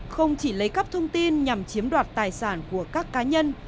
không chỉ lấy cắp thông tin nhằm chiếm đoạt tài sản của các cá nhân